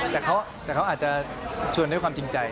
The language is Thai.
แต่เขาอาจจะชวนด้วยความจริงใจ